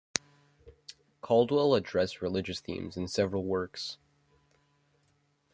Caldwell addressed religious themes in several works.